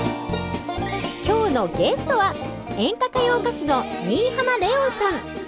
今日のゲストは演歌・歌謡歌手の新浜レオンさん。